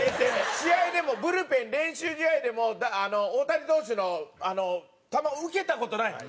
試合でもブルペン練習試合でも大谷投手の球を受けた事ないの。